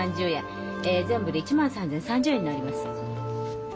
え全部で１万３，０３０円になります。